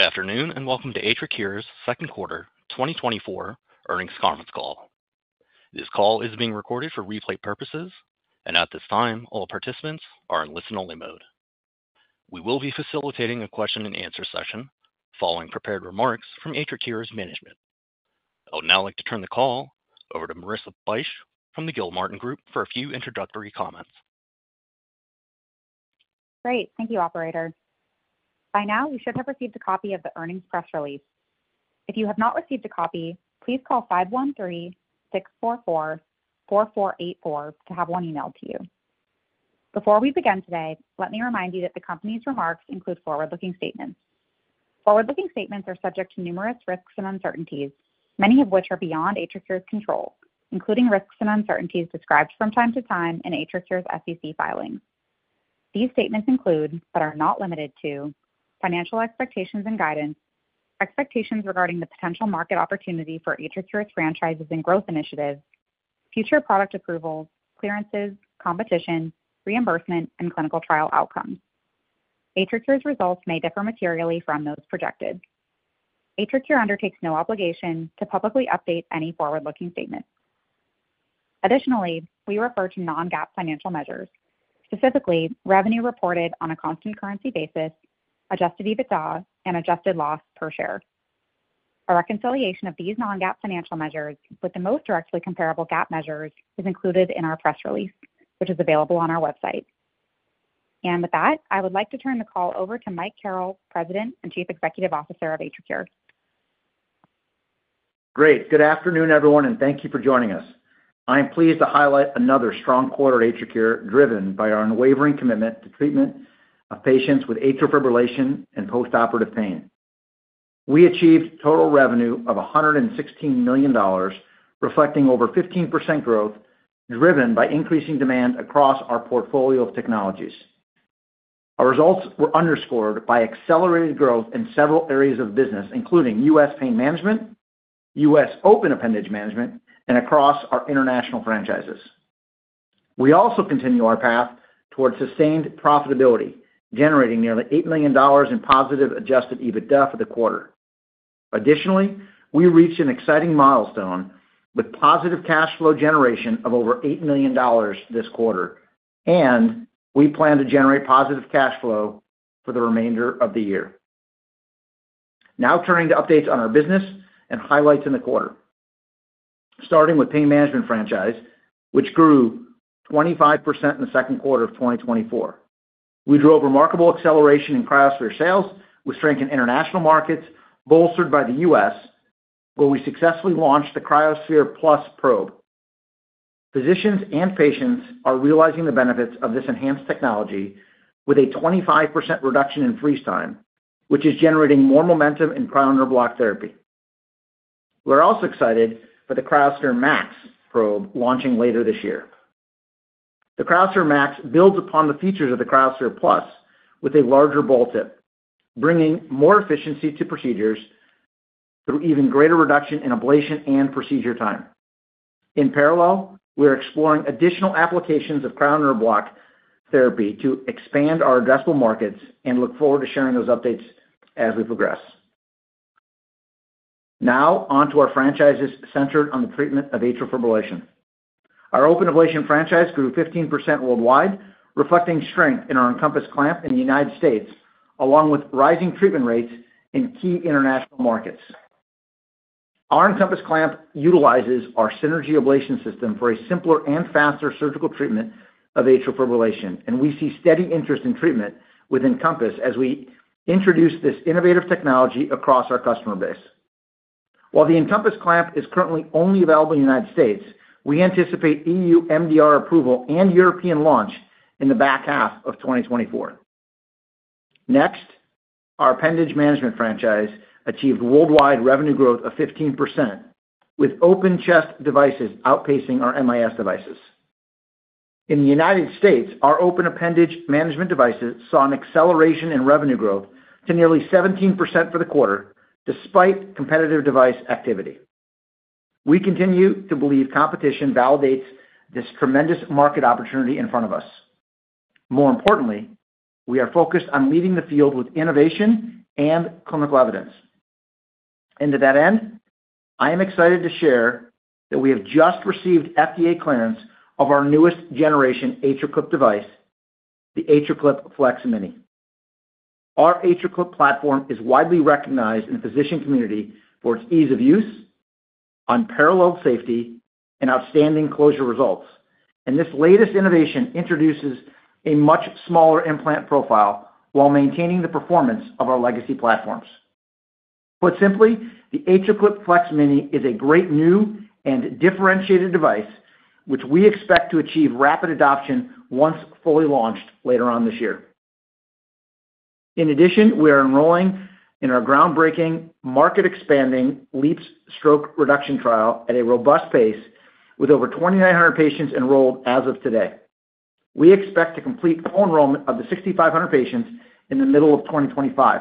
Good afternoon and welcome to AtriCure's Second Quarter 2024 earnings conference call. This call is being recorded for replay purposes, and at this time, all participants are in listen-only mode. We will be facilitating a question-and-answer session following prepared remarks from AtriCure's management. I would now like to turn the call over to Marissa Bych from the Gilmartin Group for a few introductory comments. Great. Thank you, Operator. By now, you should have received a copy of the earnings press release. If you have not received a copy, please call 513-644-4484 to have one emailed to you. Before we begin today, let me remind you that the company's remarks include forward-looking statements. Forward-looking statements are subject to numerous risks and uncertainties, many of which are beyond AtriCure's control, including risks and uncertainties described from time to time in AtriCure's SEC filings. These statements include, but are not limited to, financial expectations and guidance, expectations regarding the potential market opportunity for AtriCure's franchises and growth initiatives, future product approvals, clearances, competition, reimbursement, and clinical trial outcomes. AtriCure's results may differ materially from those projected. AtriCure undertakes no obligation to publicly update any forward-looking statements. Additionally, we refer to non-GAAP financial measures, specifically revenue reported on a constant currency basis, Adjusted EBITDA, and Adjusted Loss Per Share. A reconciliation of these non-GAAP financial measures with the most directly comparable GAAP measures is included in our press release, which is available on our website. With that, I would like to turn the call over to Mike Carrel, President and Chief Executive Officer of AtriCure. Great. Good afternoon, everyone, and thank you for joining us. I am pleased to highlight another strong quarter at AtriCure driven by our unwavering commitment to treatment of patients with atrial fibrillation and postoperative pain. We achieved total revenue of $116 million, reflecting over 15% growth driven by increasing demand across our portfolio of technologies. Our results were underscored by accelerated growth in several areas of business, including US pain management, US open appendage management, and across our international franchises. We also continue our path toward sustained profitability, generating nearly $8 million in positive adjusted EBITDA for the quarter. Additionally, we reached an exciting milestone with positive cash flow generation of over $8 million this quarter, and we plan to generate positive cash flow for the remainder of the year. Now turning to updates on our business and highlights in the quarter, starting with pain management franchise, which grew 25% in the second quarter of 2024. We drove remarkable acceleration in cryoSPHERE sales with strength in international markets bolstered by the U.S., where we successfully launched the cryoSPHERE+ probe. Physicians and patients are realizing the benefits of this enhanced technology with a 25% reduction in freeze time, which is generating more momentum in cryo nerve block therapy. We're also excited for the cryoSPHERE MAX probe launching later this year. The cryoSPHERE MAX builds upon the features of the cryoSPHERE+ with a larger ball tip, bringing more efficiency to procedures through even greater reduction in ablation and procedure time. In parallel, we're exploring additional applications of cryo nerve block therapy to expand our addressable markets and look forward to sharing those updates as we progress. Now on to our franchises centered on the treatment of atrial fibrillation. Our open ablation franchise grew 15% worldwide, reflecting strength in our EnCompass Clamp in the United States, along with rising treatment rates in key international markets. Our EnCompass Clamp utilizes our Synergy Ablation System for a simpler and faster surgical treatment of atrial fibrillation, and we see steady interest in treatment with EnCompass as we introduce this innovative technology across our customer base. While the EnCompass Clamp is currently only available in the United States, we anticipate EU MDR approval and European launch in the back half of 2024. Next, our appendage management franchise achieved worldwide revenue growth of 15%, with open chest devices outpacing our MIS devices. In the United States, our open appendage management devices saw an acceleration in revenue growth to nearly 17% for the quarter, despite competitive device activity. We continue to believe competition validates this tremendous market opportunity in front of us. More importantly, we are focused on leading the field with innovation and clinical evidence. To that end, I am excited to share that we have just received FDA clearance of our newest generation AtriClip device, the AtriClip FLEX-Mini. Our AtriClip platform is widely recognized in the physician community for its ease of use, unparalleled safety, and outstanding closure results. This latest innovation introduces a much smaller implant profile while maintaining the performance of our legacy platforms. Put simply, the AtriClip FLEX-Mini is a great new and differentiated device, which we expect to achieve rapid adoption once fully launched later on this year. In addition, we are enrolling in our groundbreaking market-expanding LeAAPS stroke reduction trial at a robust pace, with over 2,900 patients enrolled as of today. We expect to complete full enrollment of the 6,500 patients in the middle of 2025.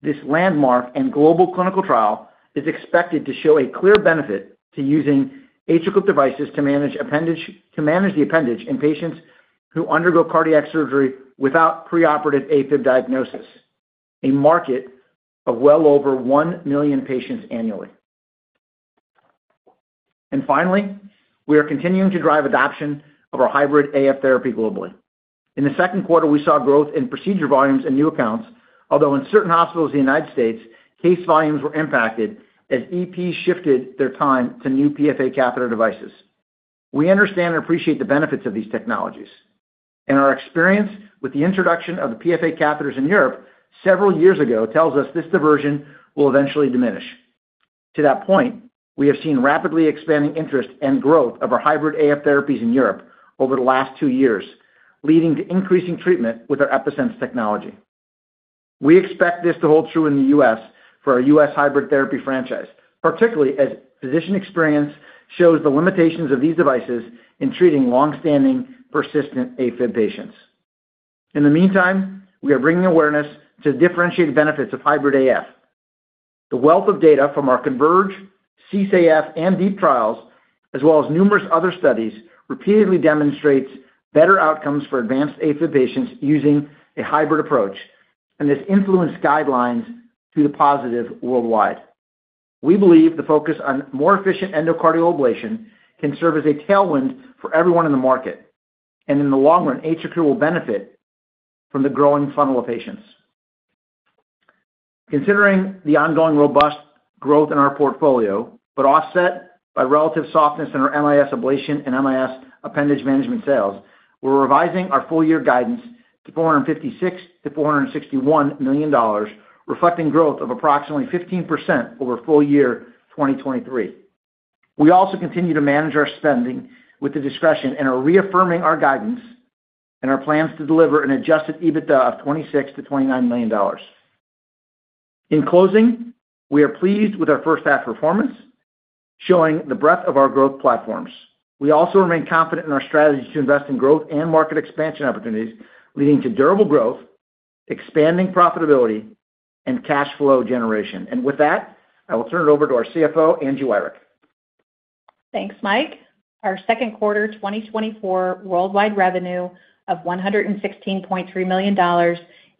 This landmark and global clinical trial is expected to show a clear benefit to using AtriClip devices to manage the appendage in patients who undergo cardiac surgery without preoperative AFib diagnosis, a market of well over 1 million patients annually. And finally, we are continuing to drive adoption of our Hybrid AF therapy globally. In the second quarter, we saw growth in procedure volumes and new accounts, although in certain hospitals in the United States, case volumes were impacted as EP shifted their time to new PFA catheter devices. We understand and appreciate the benefits of these technologies, and our experience with the introduction of the PFA catheters in Europe several years ago tells us this diversion will eventually diminish. To that point, we have seen rapidly expanding interest and growth of our Hybrid AF therapies in Europe over the last two years, leading to increasing treatment with our EPi-Sense technology. We expect this to hold true in the U.S. for our U.S. hybrid therapy franchise, particularly as physician experience shows the limitations of these devices in treating longstanding persistent AFib patients. In the meantime, we are bringing awareness to differentiated benefits of Hybrid AF. The wealth of data from our CONVERGE, CSAF, and DEEP AF trials, as well as numerous other studies, repeatedly demonstrates better outcomes for advanced AFib patients using a hybrid approach, and this influence guidelines to the positive worldwide. We believe the focus on more efficient endocardial ablation can serve as a tailwind for everyone in the market, and in the long run, AtriCure will benefit from the growing funnel of patients. Considering the ongoing robust growth in our portfolio, but offset by relative softness in our MIS ablation and MIS appendage management sales, we're revising our full-year guidance to $456 million-$461 million, reflecting growth of approximately 15% over full year 2023. We also continue to manage our spending with the discretion and are reaffirming our guidance and our plans to deliver an adjusted EBITDA of $26 million-$29 million. In closing, we are pleased with our first-half performance, showing the breadth of our growth platforms. We also remain confident in our strategy to invest in growth and market expansion opportunities, leading to durable growth, expanding profitability, and cash flow generation. With that, I will turn it over to our CFO, Angie Wirick. Thanks, Mike. Our second quarter 2024 worldwide revenue of $116.3 million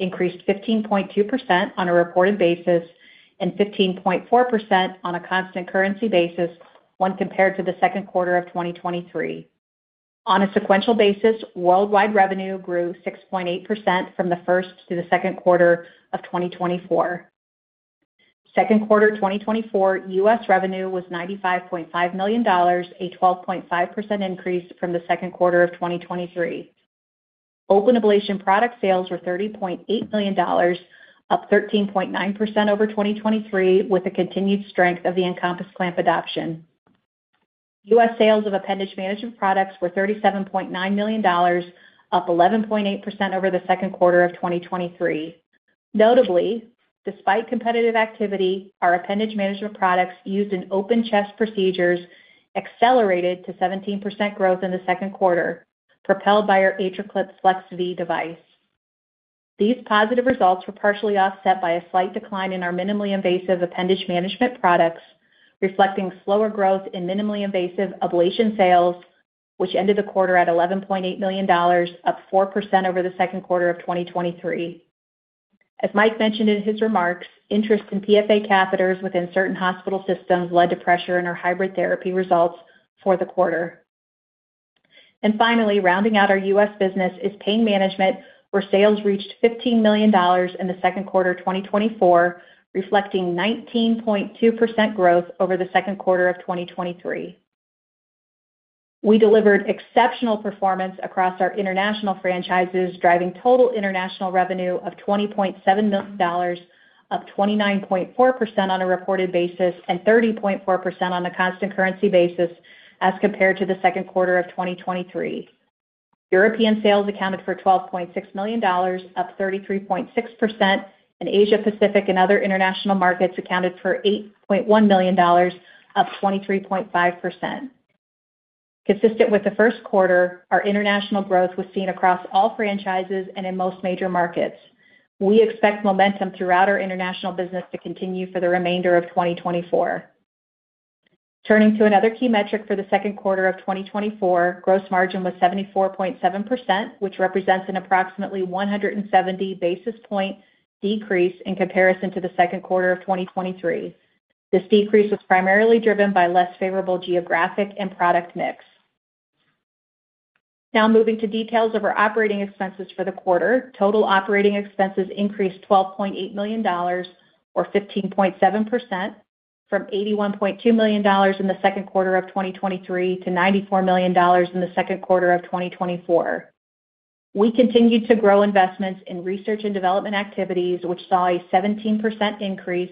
increased 15.2% on a reported basis and 15.4% on a constant currency basis when compared to the second quarter of 2023. On a sequential basis, worldwide revenue grew 6.8% from the first to the second quarter of 2024. Second quarter 2024 US revenue was $95.5 million, a 12.5% increase from the second quarter of 2023. Open ablation product sales were $30.8 million, up 13.9% over 2023, with a continued strength of the EnCompass Clamp adoption. US sales of appendage management products were $37.9 million, up 11.8% over the second quarter of 2023. Notably, despite competitive activity, our appendage management products used in open chest procedures accelerated to 17% growth in the second quarter, propelled by our AtriClip FLEX V device. These positive results were partially offset by a slight decline in our minimally invasive appendage management products, reflecting slower growth in minimally invasive ablation sales, which ended the quarter at $11.8 million, up 4% over the second quarter of 2023. As Mike mentioned in his remarks, interest in PFA catheters within certain hospital systems led to pressure in our hybrid therapy results for the quarter. And finally, rounding out our U.S. business is pain management, where sales reached $15 million in the second quarter 2024, reflecting 19.2% growth over the second quarter of 2023. We delivered exceptional performance across our international franchises, driving total international revenue of $20.7 million, up 29.4% on a reported basis and 30.4% on a constant currency basis as compared to the second quarter of 2023. European sales accounted for $12.6 million, up 33.6%, and Asia-Pacific and other international markets accounted for $8.1 million, up 23.5%. Consistent with the first quarter, our international growth was seen across all franchises and in most major markets. We expect momentum throughout our international business to continue for the remainder of 2024. Turning to another key metric for the second quarter of 2024, gross margin was 74.7%, which represents an approximately 170 basis point decrease in comparison to the second quarter of 2023. This decrease was primarily driven by less favorable geographic and product mix. Now moving to details of our operating expenses for the quarter, total operating expenses increased $12.8 million, or 15.7%, from $81.2 million in the second quarter of 2023 to $94 million in the second quarter of 2024. We continued to grow investments in research and development activities, which saw a 17% increase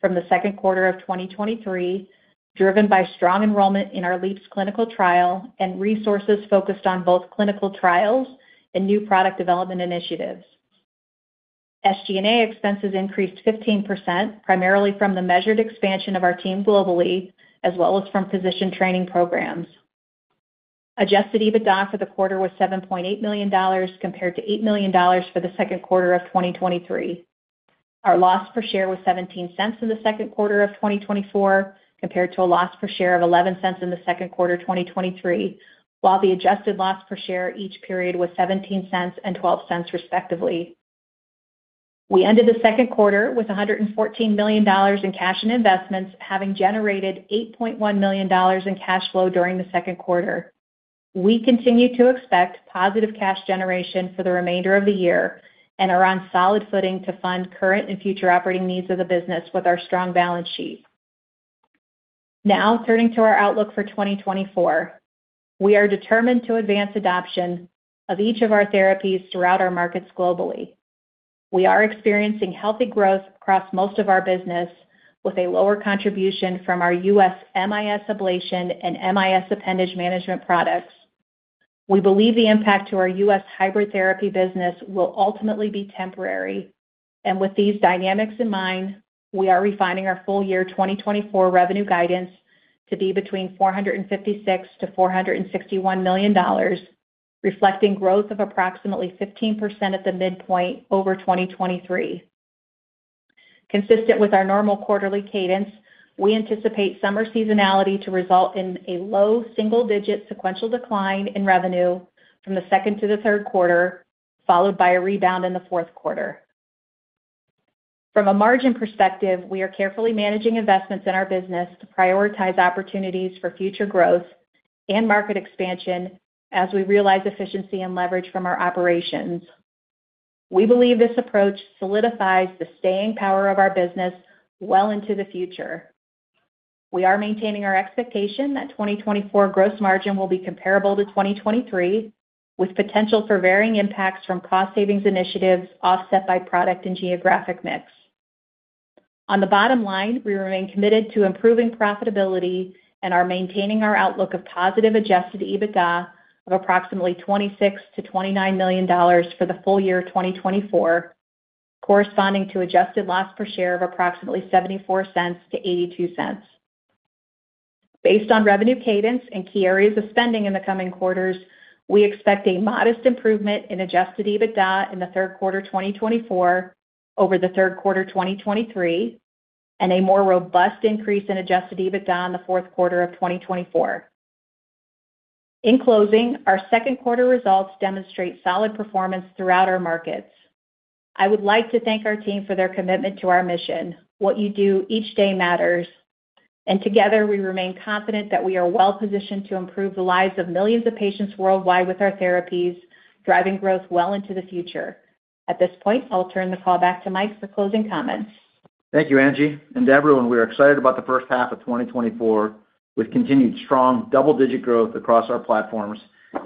from the second quarter of 2023, driven by strong enrollment in our LeAAPS clinical trial and resources focused on both clinical trials and new product development initiatives. SG&A expenses increased 15%, primarily from the measured expansion of our team globally, as well as from physician training programs. Adjusted EBITDA for the quarter was $7.8 million compared to $8 million for the second quarter of 2023. Our loss per share was $0.17 in the second quarter of 2024, compared to a loss per share of $0.11 in the second quarter of 2023, while the adjusted loss per share each period was $0.17 and $0.12 respectively. We ended the second quarter with $114 million in cash and investments, having generated $8.1 million in cash flow during the second quarter. We continue to expect positive cash generation for the remainder of the year and are on solid footing to fund current and future operating needs of the business with our strong balance sheet. Now turning to our outlook for 2024, we are determined to advance adoption of each of our therapies throughout our markets globally. We are experiencing healthy growth across most of our business, with a lower contribution from our U.S. MIS ablation and MIS appendage management products. We believe the impact to our U.S. hybrid therapy business will ultimately be temporary. With these dynamics in mind, we are refining our full year 2024 revenue guidance to be between $456-$461 million, reflecting growth of approximately 15% at the midpoint over 2023. Consistent with our normal quarterly cadence, we anticipate summer seasonality to result in a low single-digit sequential decline in revenue from the second to the third quarter, followed by a rebound in the fourth quarter. From a margin perspective, we are carefully managing investments in our business to prioritize opportunities for future growth and market expansion as we realize efficiency and leverage from our operations. We believe this approach solidifies the staying power of our business well into the future. We are maintaining our expectation that 2024 gross margin will be comparable to 2023, with potential for varying impacts from cost savings initiatives offset by product and geographic mix. On the bottom line, we remain committed to improving profitability and are maintaining our outlook of positive adjusted EBITDA of approximately $26 million-$29 million for the full year 2024, corresponding to adjusted loss per share of approximately $0.74-$0.82. Based on revenue cadence and key areas of spending in the coming quarters, we expect a modest improvement in Adjusted EBITDA in the third quarter 2024 over the third quarter 2023, and a more robust increase in Adjusted EBITDA in the fourth quarter of 2024. In closing, our second quarter results demonstrate solid performance throughout our markets. I would like to thank our team for their commitment to our mission. What you do each day matters. Together, we remain confident that we are well positioned to improve the lives of millions of patients worldwide with our therapies, driving growth well into the future. At this point, I'll turn the call back to Mike for closing comments. Thank you, Angie. And everyone, we are excited about the first half of 2024 with continued strong double-digit growth across our platforms,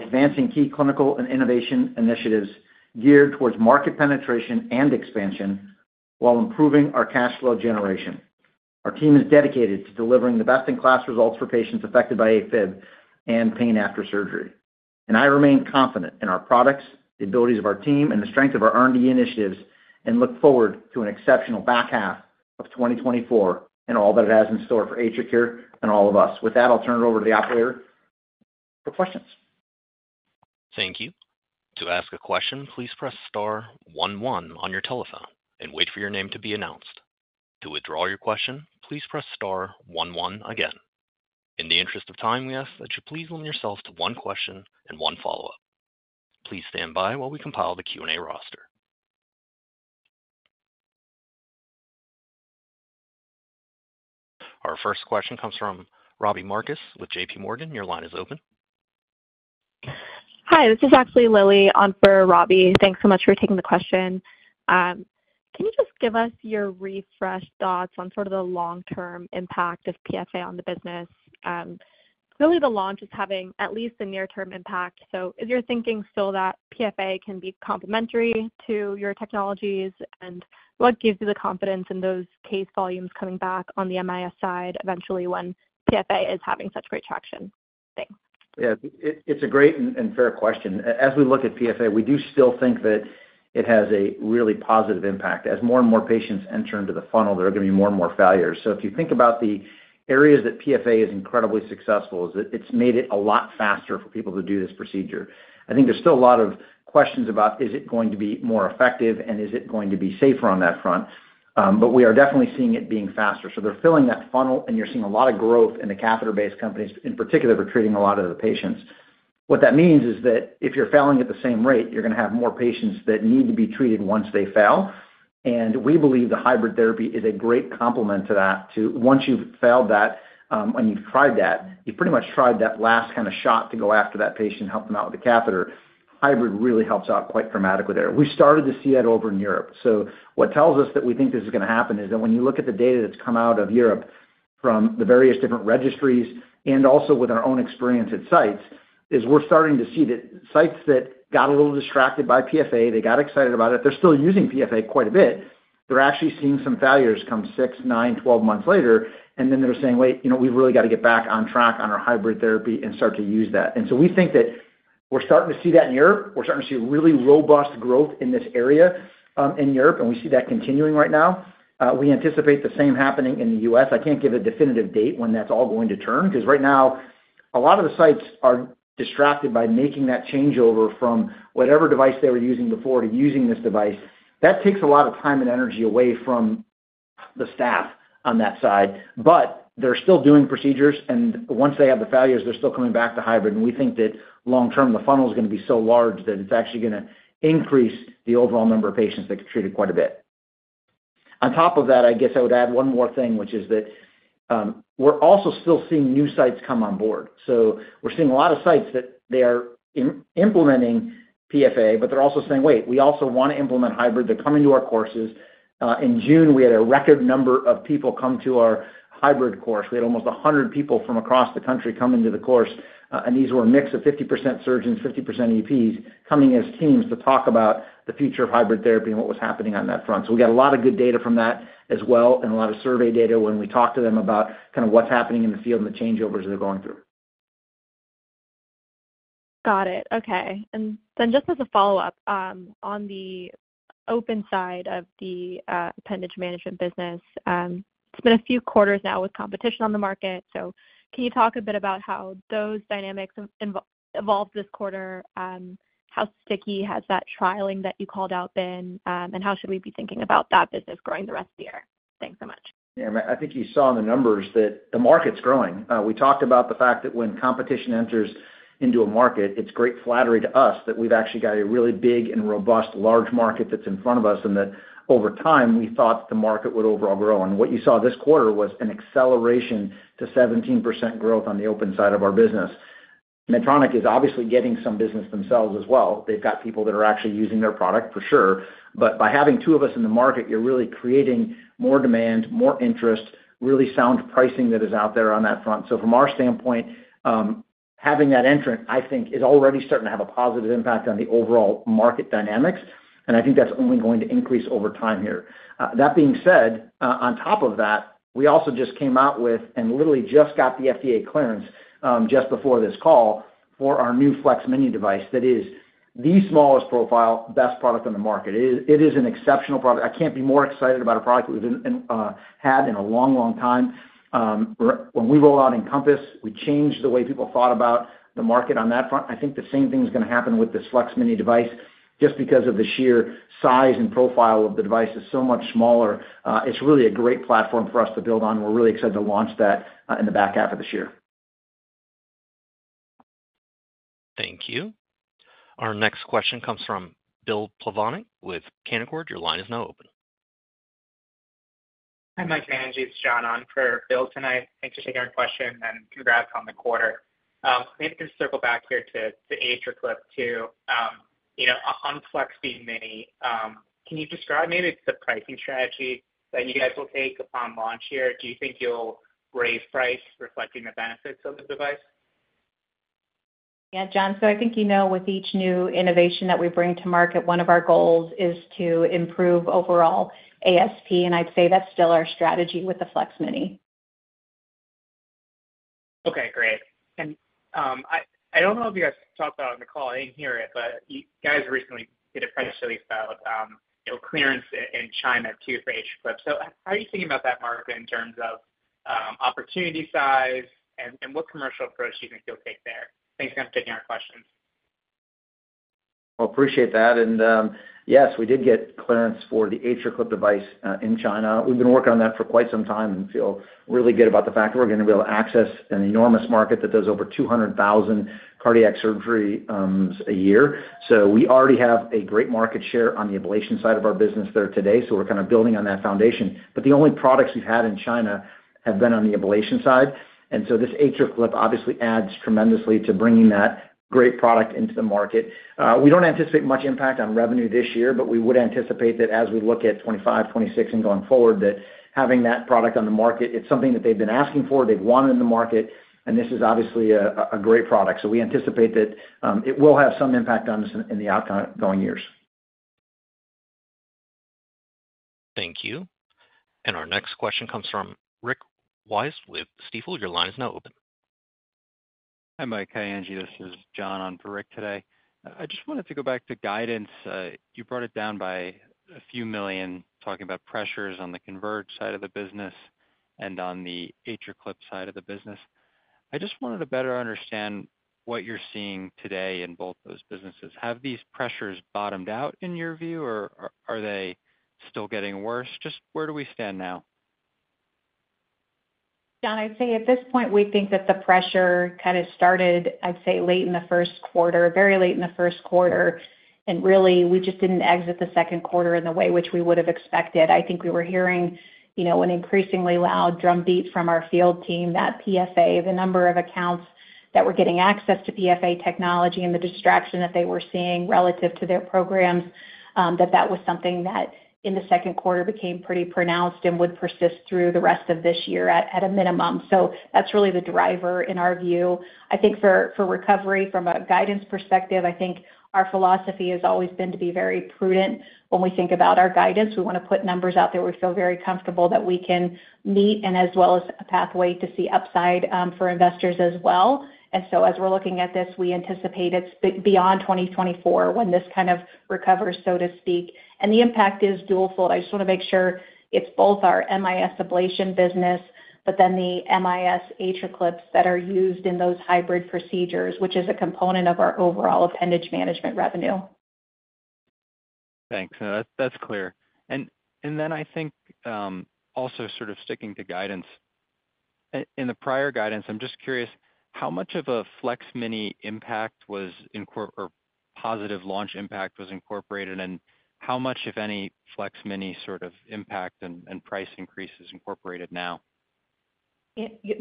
advancing key clinical and innovation initiatives geared towards market penetration and expansion while improving our cash flow generation. Our team is dedicated to delivering the best-in-class results for patients affected by AFib and pain after surgery. And I remain confident in our products, the abilities of our team, and the strength of our R&D initiatives, and look forward to an exceptional back half of 2024 and all that it has in store for AtriCure and all of us. With that, I'll turn it over to the operator for questions. Thank you. To ask a question, please press star 11 on your telephone and wait for your name to be announced. To withdraw your question, please press star 11 again. In the interest of time, we ask that you please limit yourself to one question and one follow-up. Please stand by while we compile the Q&A roster. Our first question comes from Robbie Marcus with JPMorgan. Your line is open. Hi, this is actually Lily on for Robbie. Thanks so much for taking the question. Can you just give us your refreshed thoughts on sort of the long-term impact of PFA on the business? Clearly, the launch is having at least a near-term impact. So is your thinking still that PFA can be complementary to your technologies? And what gives you the confidence in those case volumes coming back on the MIS side eventually when PFA is having such great traction? Thanks. Yeah, it's a great and fair question. As we look at PFA, we do still think that it has a really positive impact. As more and more patients enter into the funnel, there are going to be more and more failures. So if you think about the areas that PFA is incredibly successful, it's made it a lot faster for people to do this procedure. I think there's still a lot of questions about, is it going to be more effective, and is it going to be safer on that front? But we are definitely seeing it being faster. So they're filling that funnel, and you're seeing a lot of growth in the catheter-based companies, in particular, for treating a lot of the patients. What that means is that if you're failing at the same rate, you're going to have more patients that need to be treated once they fail. We believe the hybrid therapy is a great complement to that. Once you've failed that and you've tried that, you've pretty much tried that last kind of shot to go after that patient and help them out with the catheter. Hybrid really helps out quite dramatically there. We started to see that over in Europe. What tells us that we think this is going to happen is that when you look at the data that's come out of Europe from the various different registries and also with our own experience at sites, we're starting to see that sites that got a little distracted by PFA, they got excited about it, they're still using PFA quite a bit. They're actually seeing some failures come 6, 9, 12 months later, and then they're saying, "Wait, we've really got to get back on track on our hybrid therapy and start to use that." And so we think that we're starting to see that in Europe. We're starting to see really robust growth in this area in Europe, and we see that continuing right now. We anticipate the same happening in the US. I can't give a definitive date when that's all going to turn because right now, a lot of the sites are distracted by making that changeover from whatever device they were using before to using this device. That takes a lot of time and energy away from the staff on that side. But they're still doing procedures, and once they have the failures, they're still coming back to hybrid. We think that long term, the funnel is going to be so large that it's actually going to increase the overall number of patients that get treated quite a bit. On top of that, I guess I would add one more thing, which is that we're also still seeing new sites come on board. So we're seeing a lot of sites that they are implementing PFA, but they're also saying, "Wait, we also want to implement hybrid." They're coming to our courses. In June, we had a record number of people come to our hybrid course. We had almost 100 people from across the country come into the course. And these were a mix of 50% surgeons, 50% EPs coming as teams to talk about the future of hybrid therapy and what was happening on that front. So we got a lot of good data from that as well and a lot of survey data when we talked to them about kind of what's happening in the field and the changeovers they're going through. Got it. Okay. And then just as a follow-up on the open side of the appendage management business, it's been a few quarters now with competition on the market. So can you talk a bit about how those dynamics evolved this quarter? How sticky has that trialing that you called out been, and how should we be thinking about that business growing the rest of the year? Thanks so much. Yeah, I think you saw in the numbers that the market's growing. We talked about the fact that when competition enters into a market, it's great flattery to us that we've actually got a really big and robust large market that's in front of us and that over time, we thought the market would overall grow. And what you saw this quarter was an acceleration to 17% growth on the open side of our business. Medtronic is obviously getting some business themselves as well. They've got people that are actually using their product, for sure. But by having two of us in the market, you're really creating more demand, more interest, really sound pricing that is out there on that front. So from our standpoint, having that entrant, I think, is already starting to have a positive impact on the overall market dynamics. I think that's only going to increase over time here. That being said, on top of that, we also just came out with and literally just got the FDA clearance just before this call for our new FLEX-Mini device that is the smallest profile, best product on the market. It is an exceptional product. I can't be more excited about a product we've had in a long, long time. When we rolled out EnCompass, we changed the way people thought about the market on that front. I think the same thing is going to happen with this FLEX-Mini device just because of the sheer size and profile of the device is so much smaller. It's really a great platform for us to build on. We're really excited to launch that in the back half of this year. Thank you. Our next question comes from Bill Plovanic with Canaccord. Your line is now open. Hi, Mike and Angie. It's John on for Bill tonight. Thanks for taking our question and congrats on the quarter. Maybe just circle back here to AtriClip too. on FLEX-Mini, can you describe maybe the pricing strategy that you guys will take upon launch here? Do you think you'll raise price reflecting the benefits of the device? Yeah, John, so I think you know with each new innovation that we bring to market, one of our goals is to improve overall ASP, and I'd say that's still our strategy with the FLEX-Mini. Okay, great. I don't know if you guys talked about it on the call. I didn't hear it, but you guys recently did a press release about clearance in China too for AtriClip. So how are you thinking about that market in terms of opportunity size and what commercial approach do you think you'll take there? Thanks again for taking our questions. Well, appreciate that. And yes, we did get clearance for the AtriClip device in China. We've been working on that for quite some time and feel really good about the fact that we're going to be able to access an enormous market that does over 200,000 cardiac surgeries a year. So we already have a great market share on the ablation side of our business there today. So we're kind of building on that foundation. But the only products we've had in China have been on the ablation side. And so this AtriClip obviously adds tremendously to bringing that great product into the market. We don't anticipate much impact on revenue this year, but we would anticipate that as we look at 2025, 2026, and going forward, that having that product on the market, it's something that they've been asking for. They've wanted it in the market, and this is obviously a great product. We anticipate that it will have some impact on us in the outgoing years. Thank you. Our next question comes from Rick Wise with Stifel. Your line is now open. Hi, Mike. Hi, Angie. This is John on for Rick today. I just wanted to go back to guidance. You brought it down by $a few million, talking about pressures on the CONVERGE side of the business and on the AtriClip side of the business. I just wanted to better understand what you're seeing today in both those businesses. Have these pressures bottomed out in your view, or are they still getting worse? Just where do we stand now? John, I'd say at this point, we think that the pressure kind of started, I'd say, late in the first quarter, very late in the first quarter. And really, we just didn't exit the second quarter in the way which we would have expected. I think we were hearing an increasingly loud drumbeat from our field team that PFA, the number of accounts that were getting access to PFA technology and the distraction that they were seeing relative to their programs, that that was something that in the second quarter became pretty pronounced and would persist through the rest of this year at a minimum. So that's really the driver in our view. I think for recovery from a guidance perspective, I think our philosophy has always been to be very prudent when we think about our guidance. We want to put numbers out there we feel very comfortable that we can meet and as well as a pathway to see upside for investors as well. And so as we're looking at this, we anticipate it's beyond 2024 when this kind of recovers, so to speak. And the impact is dual-fold. I just want to make sure it's both our MIS ablation business, but then the MIS AtriClips that are used in those hybrid procedures, which is a component of our overall appendage management revenue. Thanks. That's clear. And then I think also sort of sticking to guidance. In the prior guidance, I'm just curious how much of a FLEX-Mini impact was or positive launch impact was incorporated and how much, if any, FLEX-Mini sort of impact and price increase is incorporated now?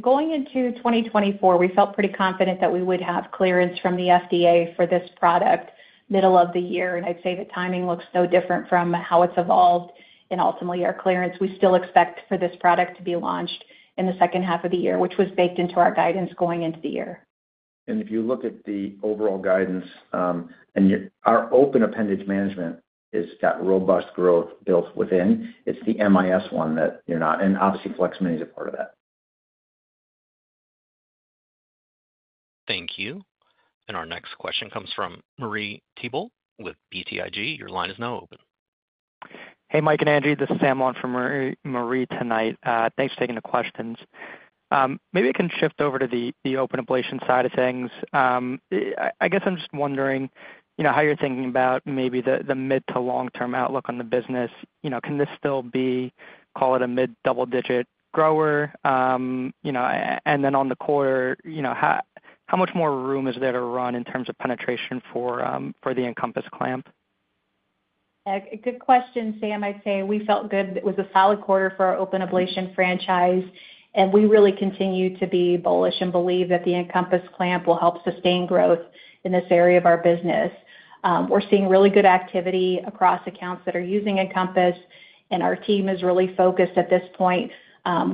Going into 2024, we felt pretty confident that we would have clearance from the FDA for this product middle of the year. I'd say the timing looks no different from how it's evolved in ultimately our clearance. We still expect for this product to be launched in the second half of the year, which was baked into our guidance going into the year. If you look at the overall guidance, our open appendage management has got robust growth built within. It's the MIS one that you're not. Obviously, FlexMini is a part of that. Thank you. And our next question comes from Marie Thibault with BTIG. Your line is now open. Hey, Mike and Angie. This is Sam Eiber from Marie tonight. Thanks for taking the questions. Maybe I can shift over to the open ablation side of things. I guess I'm just wondering how you're thinking about maybe the mid to long-term outlook on the business. Can this still be, call it a mid double-digit grower? And then on the quarter, how much more room is there to run in terms of penetration for the EnCompass clamp? Good question, Sam. I'd say we felt good. It was a solid quarter for our open ablation franchise. We really continue to be bullish and believe that the EnCompass clamp will help sustain growth in this area of our business. We're seeing really good activity across accounts that are using EnCompass. Our team is really focused at this point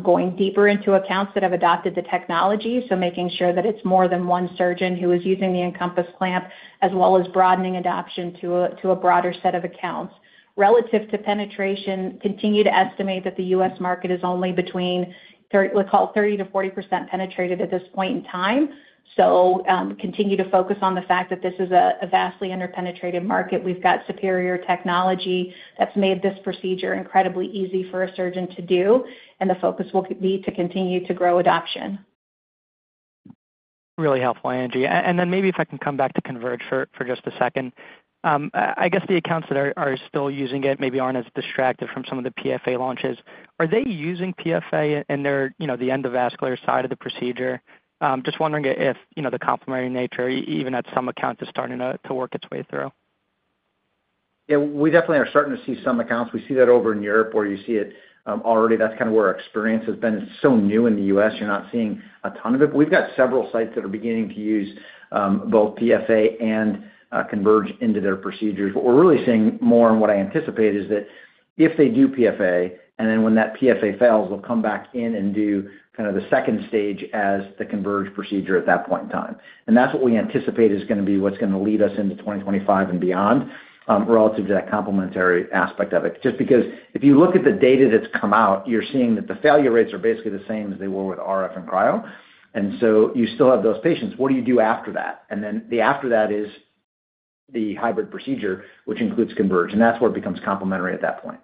going deeper into accounts that have adopted the technology. So making sure that it's more than one surgeon who is using the EnCompass clamp as well as broadening adoption to a broader set of accounts. Relative to penetration, continue to estimate that the US market is only between, we'll call it 30%-40% penetrated at this point in time. So continue to focus on the fact that this is a vastly underpenetrated market. We've got superior technology that's made this procedure incredibly easy for a surgeon to do. The focus will be to continue to grow adoption. Really helpful, Angie. Then maybe if I can come back to CONVERGE for just a second. I guess the accounts that are still using it maybe aren't as distracted from some of the PFA launches. Are they using PFA in the endovascular side of the procedure? Just wondering if the complementary nature, even at some accounts, is starting to work its way through. Yeah, we definitely are starting to see some accounts. We see that over in Europe where you see it already. That's kind of where our experience has been. It's so new in the U.S. You're not seeing a ton of it. But we've got several sites that are beginning to use both PFA and CONVERGE into their procedures. What we're really seeing more and what I anticipate is that if they do PFA, and then when that PFA fails, they'll come back in and do kind of the second stage as the CONVERGE procedure at that point in time. And that's what we anticipate is going to be what's going to lead us into 2025 and beyond relative to that complementary aspect of it. Just because if you look at the data that's come out, you're seeing that the failure rates are basically the same as they were with RF and cryo. And so you still have those patients. What do you do after that? And then the after that is the hybrid procedure, which includes CONVERGE. And that's where it becomes complementary at that point.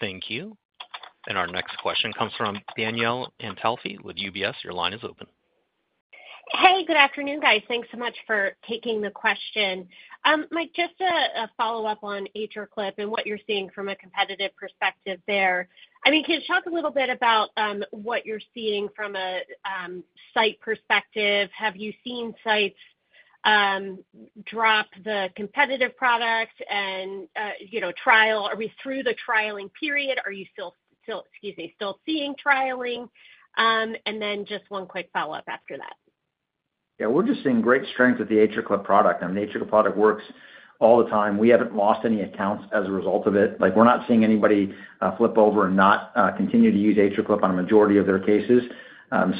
Thank you. And our next question comes from Danielle Antalffy with UBS. Your line is open. Hey, good afternoon, guys. Thanks so much for taking the question. Mike, just a follow-up on AtriClip and what you're seeing from a competitive perspective there. I mean, can you talk a little bit about what you're seeing from a site perspective? Have you seen sites drop the competitive product and trial? Are we through the trialing period? Are you still, excuse me, still seeing trialing? And then just one quick follow-up after that. Yeah, we're just seeing great strength with the AtriClip product. I mean, the AtriClip product works all the time. We haven't lost any accounts as a result of it. We're not seeing anybody flip over and not continue to use AtriClip on a majority of their cases.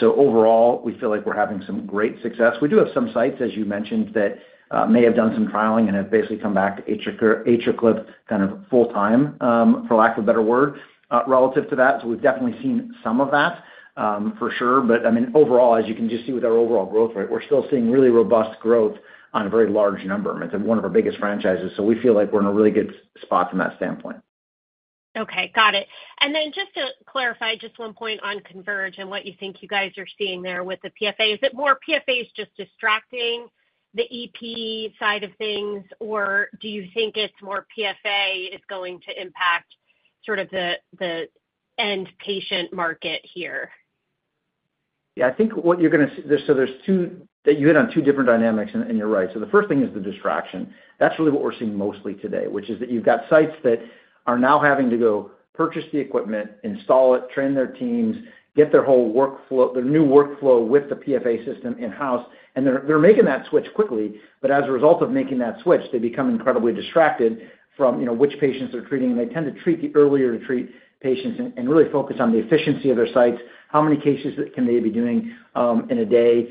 So overall, we feel like we're having some great success. We do have some sites, as you mentioned, that may have done some trialing and have basically come back to AtriClip kind of full-time, for lack of a better word, relative to that. So we've definitely seen some of that for sure. But I mean, overall, as you can just see with our overall growth, we're still seeing really robust growth on a very large number. It's one of our biggest franchises. So we feel like we're in a really good spot from that standpoint. Okay, got it. Then just to clarify, just one point on CONVERGE and what you think you guys are seeing there with the PFA. Is it more PFA is just distracting the EP side of things, or do you think it's more PFA is going to impact sort of the end patient market here? Yeah, I think what you're going to see, so there's two that you hit on, two different dynamics, and you're right. So the first thing is the distraction. That's really what we're seeing mostly today, which is that you've got sites that are now having to go purchase the equipment, install it, train their teams, get their new workflow with the PFA system in-house. And they're making that switch quickly. But as a result of making that switch, they become incredibly distracted from which patients they're treating. And they tend to treat the easier to treat patients and really focus on the efficiency of their sites, how many cases can they be doing in a day,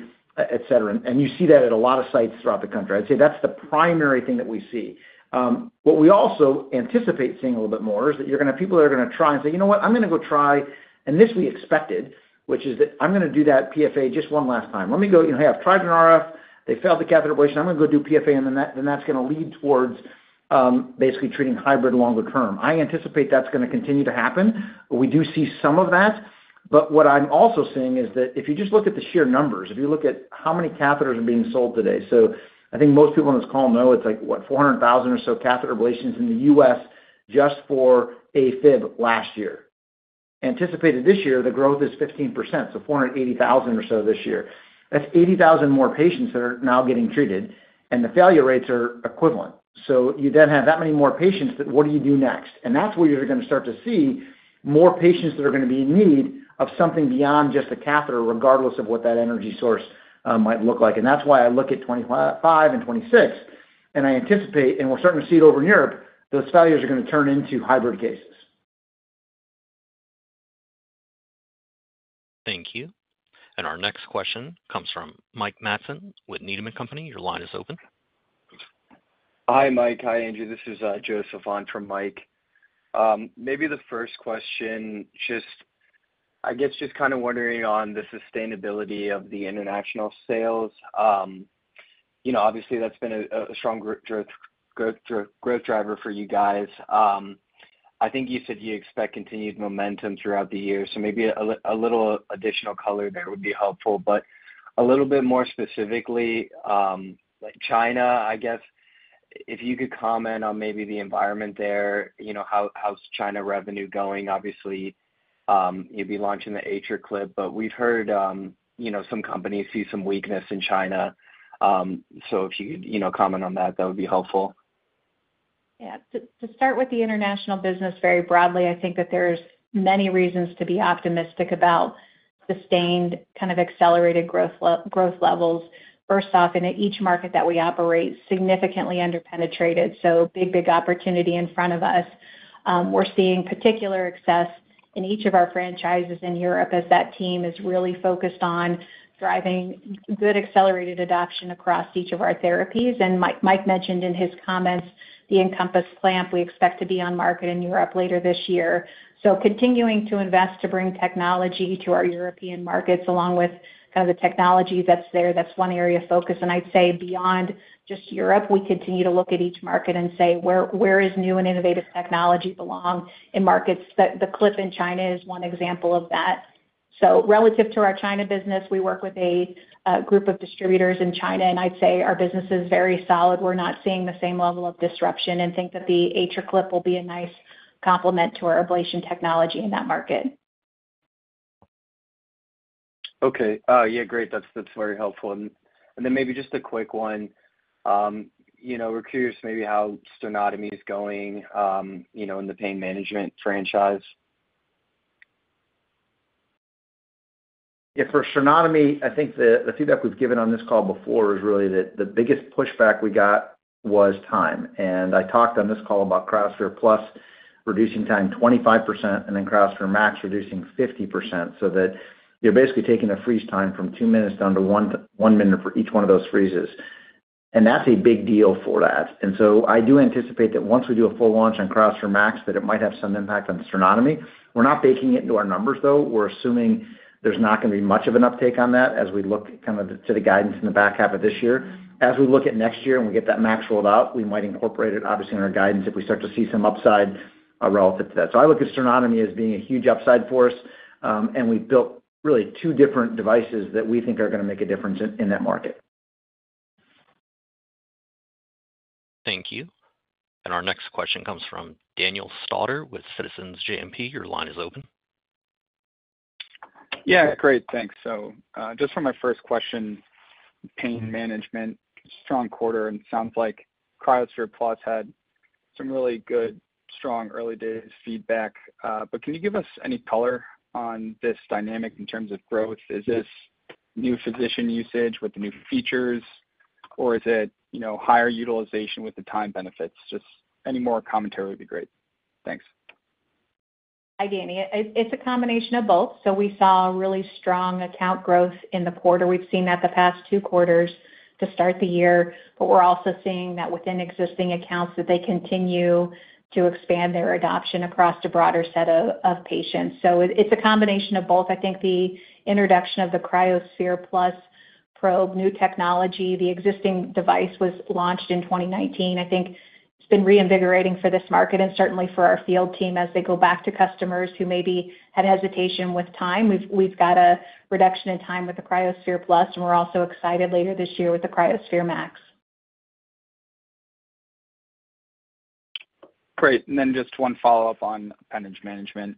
etc. And you see that at a lot of sites throughout the country. I'd say that's the primary thing that we see. What we also anticipate seeing a little bit more is that people are going to try and say, "You know what? I'm going to go try," and this we expected, which is that I'm going to do that PFA just one last time. Let me go, "Hey, I've tried an RF. They failed the catheter ablation. I'm going to go do PFA," and then that's going to lead towards basically treating hybrid longer term. I anticipate that's going to continue to happen. We do see some of that. But what I'm also seeing is that if you just look at the sheer numbers, if you look at how many catheters are being sold today. So I think most people on this call know it's like, what, 400,000 or so catheter ablations in the U.S. just for AFib last year. Anticipated this year, the growth is 15%, so 480,000 or so this year. That's 80,000 more patients that are now getting treated, and the failure rates are equivalent. So you then have that many more patients that, what do you do next? And that's where you're going to start to see more patients that are going to be in need of something beyond just a catheter, regardless of what that energy source might look like. And that's why I look at 2025 and 2026. And I anticipate, and we're starting to see it over in Europe, those failures are going to turn into hybrid cases. Thank you. And our next question comes from Mike Matson with Needham & Company. Your line is open. Hi Mike. Hi, Angie. This is Joseph from Needham. Maybe the first question, I guess just kind of wondering on the sustainability of the international sales. Obviously, that's been a strong growth driver for you guys. I think you said you expect continued momentum throughout the year. So maybe a little additional color there would be helpful. But a little bit more specifically, China, I guess, if you could comment on maybe the environment there, how's China revenue going? Obviously, you'll be launching the AtriClip, but we've heard some companies see some weakness in China. So if you could comment on that, that would be helpful. Yeah. To start with the international business very broadly, I think that there's many reasons to be optimistic about sustained kind of accelerated growth levels. First off, in each market that we operate, significantly underpenetrated. So big, big opportunity in front of us. We're seeing particular excess in each of our franchises in Europe as that team is really focused on driving good accelerated adoption across each of our therapies. Mike mentioned in his comments the EnCompass Clamp. We expect to be on market in Europe later this year. So continuing to invest to bring technology to our European markets along with kind of the technology that's there. That's one area of focus. I'd say beyond just Europe, we continue to look at each market and say where does new and innovative technology belong in markets? The Clip in China is one example of that. Relative to our China business, we work with a group of distributors in China. I'd say our business is very solid. We're not seeing the same level of disruption and think that the AtriClip will be a nice complement to our ablation technology in that market. Okay. Yeah, great. That's very helpful. And then maybe just a quick one. We're curious maybe how Sternotomy is going in the pain management franchise? Yeah, for Sternotomy, I think the feedback we've given on this call before is really that the biggest pushback we got was time. And I talked on this call about cryoSPHERE+ reducing time 25% and then cryoSPHERE MAX reducing 50%. So that you're basically taking a freeze time from 2 minutes down to 1 minute for each one of those freezes. And that's a big deal for that. And so I do anticipate that once we do a full launch on cryoSPHERE MAX, that it might have some impact on Sternotomy. We're not baking it into our numbers, though. We're assuming there's not going to be much of an uptake on that as we look kind of to the guidance in the back half of this year. As we look at next year and we get that Max rolled out, we might incorporate it, obviously, in our guidance if we start to see some upside relative to that. So I look at Sternotomy as being a huge upside for us. And we've built really two different devices that we think are going to make a difference in that market. Thank you. And our next question comes from Daniel Stauder with Citizens JMP. Your line is open. Yeah, great. Thanks. So just for my first question, pain management, strong quarter. And it sounds like cryoSPHERE+ had some really good, strong early days feedback. But can you give us any color on this dynamic in terms of growth? Is this new physician usage with the new features, or is it higher utilization with the time benefits? Just any more commentary would be great. Thanks. Hi, Danny. It's a combination of both. So we saw really strong account growth in the quarter. We've seen that the past two quarters to start the year. But we're also seeing that within existing accounts that they continue to expand their adoption across the broader set of patients. So it's a combination of both. I think the introduction of the cryoSPHERE+ probe, new technology. The existing device was launched in 2019. I think it's been reinvigorating for this market and certainly for our field team as they go back to customers who maybe had hesitation with time. We've got a reduction in time with the cryoSPHERE+, and we're also excited later this year with the cryoSPHERE MAX. Great. And then just one follow-up on appendage management.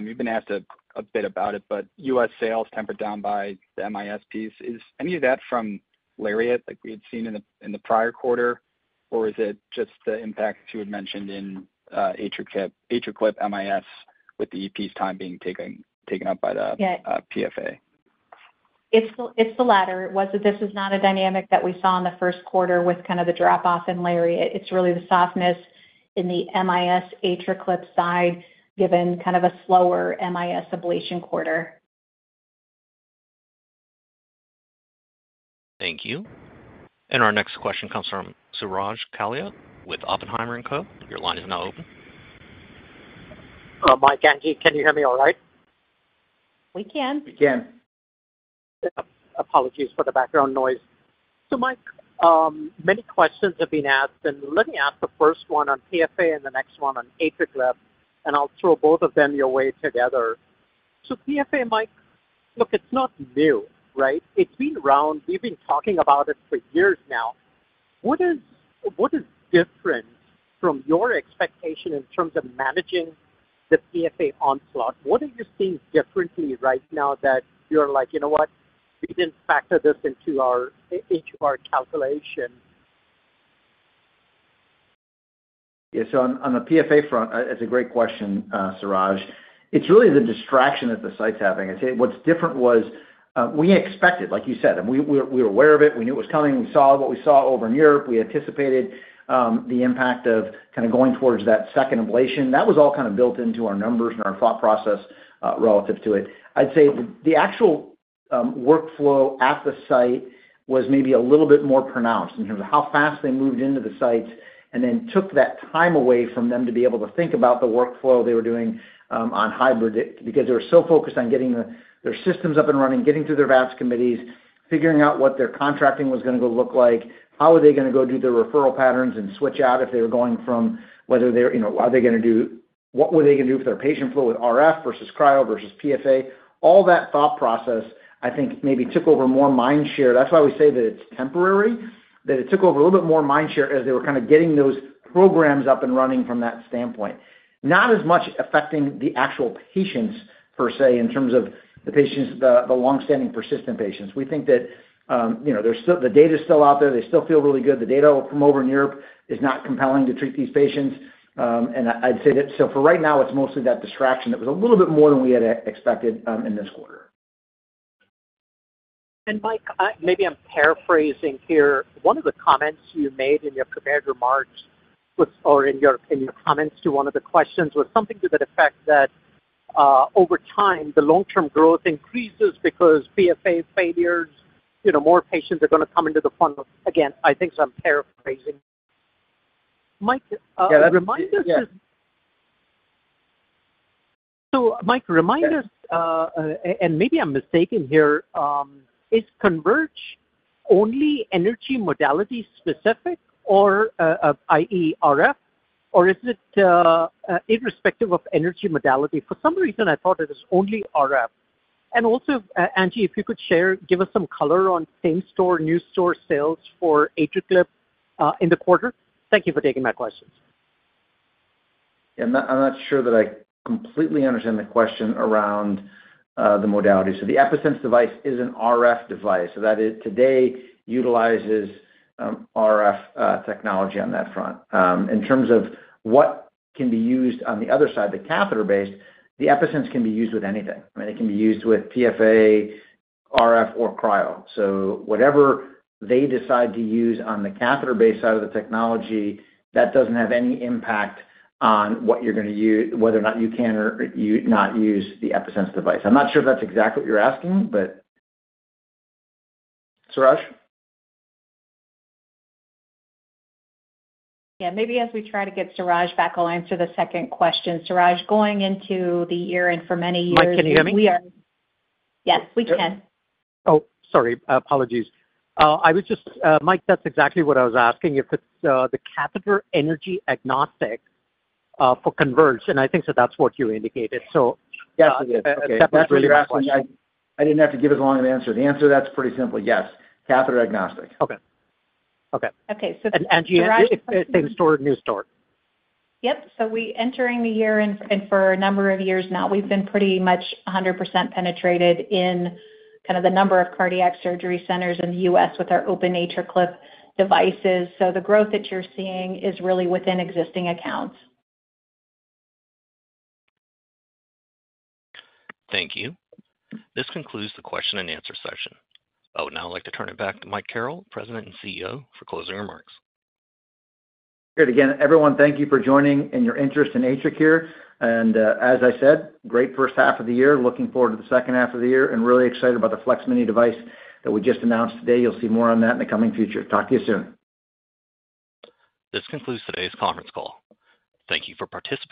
You've been asked a bit about it, but US sales tempered down by the MIS piece. Is any of that from LARIAT like we had seen in the prior quarter, or is it just the impact you had mentioned in AtriClip, MIS with the EP's time being taken up by the PFA? It's the latter. This is not a dynamic that we saw in the first quarter with kind of the drop-off in LARIAT. It's really the softness in the MIS AtriClip side given kind of a slower MIS ablation quarter. Thank you. Our next question comes from Suraj Kalia with Oppenheimer & Co. Your line is now open. Hi, Mike. Angie, can you hear me all right? We can. We can. Apologies for the background noise. So Mike, many questions have been asked. And let me ask the first one on PFA and the next one on AtriClip, and I'll throw both of them your way together. So PFA, Mike, look, it's not new, right? It's been around. We've been talking about it for years now. What is different from your expectation in terms of managing the PFA onslaught? What are you seeing differently right now that you're like, "You know what? We didn't factor this into our HR calculation. Yeah, so on the PFA front, it's a great question, Suraj. It's really the distraction that the sites have. I'd say what's different was we expected, like you said, and we were aware of it. We knew it was coming. We saw what we saw over in Europe. We anticipated the impact of kind of going towards that second ablation. That was all kind of built into our numbers and our thought process relative to it. I'd say the actual workflow at the site was maybe a little bit more pronounced in terms of how fast they moved into the sites and then took that time away from them to be able to think about the workflow they were doing on hybrid because they were so focused on getting their systems up and running, getting through their VAPS committees, figuring out what their contracting was going to look like, how were they going to go do their referral patterns and switch out if they were going from whether they're are they going to do what were they going to do for their patient flow with RF versus cryo versus PFA? All that thought process, I think, maybe took over more mind share. That's why we say that it's temporary, that it took over a little bit more mind share as they were kind of getting those programs up and running from that standpoint. Not as much affecting the actual patients per se in terms of the patients, the long-standing persistent patients. We think that the data is still out there. They still feel really good. The data from over in Europe is not compelling to treat these patients. And I'd say that so for right now, it's mostly that distraction that was a little bit more than we had expected in this quarter. Mike, maybe I'm paraphrasing here. One of the comments you made in your prepared remarks or in your comments to one of the questions was something to the effect that over time, the long-term growth increases because PFA failures, more patients are going to come into the front. Again, I think I'm paraphrasing. Mike, remind us. Yeah, that's it. So Mike, remind us, and maybe I'm mistaken here, is Converge only energy modality specific, i.e., RF, or is it irrespective of energy modality? For some reason, I thought it was only RF. And also, Angie, if you could share, give us some color on same-store, new-store sales for AtriClip in the quarter. Thank you for taking my questions. Yeah, I'm not sure that I completely understand the question around the modality. So the EPi-Sense device is an RF device. So that it today utilizes RF technology on that front. In terms of what can be used on the other side, the catheter-based, the EPi-Sense can be used with anything. I mean, it can be used with PFA, RF, or cryo. So whatever they decide to use on the catheter-based side of the technology, that doesn't have any impact on what you're going to use, whether or not you can or not use the EPi-Sense device. I'm not sure if that's exactly what you're asking, but Suraj? Yeah, maybe as we try to get Suraj back, I'll answer the second question. Suraj, going into the year and for many years. Mike, can you hear me? Yes, we can. Oh, sorry. Apologies. I was just, Mike, that's exactly what I was asking. If it's the catheter energy agnostic for CONVERGE, and I think that that's what you indicated. So. Yes, it is. That's really the question. I didn't have to give as long an answer. The answer, that's pretty simple. Yes, catheter agnostic. Okay. Okay. Okay. So the. Same-store, new-store. Yep. So we're entering the year, and for a number of years now, we've been pretty much 100% penetrated in kind of the number of cardiac surgery centers in the U.S. with our open AtriClip devices. So the growth that you're seeing is really within existing accounts. Thank you. This concludes the question and answer session. Oh, now I'd like to turn it back to Mike Carrel, President and CEO, for closing remarks. Good. Again, everyone, thank you for joining and your interest in AtriCure. And as I said, great first half of the year. Looking forward to the second half of the year and really excited about the FLEX-Mini device that we just announced today. You'll see more on that in the coming future. Talk to you soon. This concludes today's conference call. Thank you for participating.